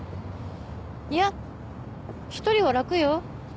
いや１人は楽よ